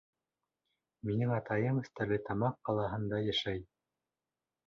Минең атайым Стәрлетамаҡ ҡалаһында йәшәй.